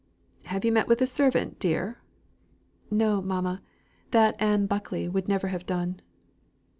"Have you met with a servant, dear?" "No, mamma; that Anne Buckley would never have done."